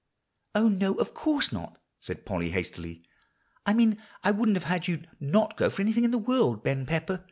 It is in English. "Oh no, no, of course not," said Polly hastily. "I mean I wouldn't have had you not go for anything in this world, Ben Pepper.